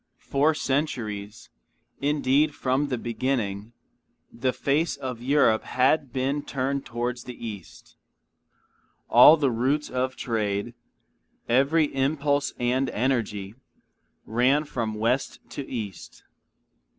For centuries, indeed from the beginning, the face of Europe had been turned toward the east. All the routes of trade, every impulse and energy, ran from west to east.